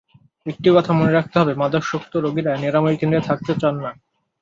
একটি কথা মনে রাখতে হবে, মাদকাসক্ত রোগীরা নিরাময়কেন্দ্রে থাকতে চান না।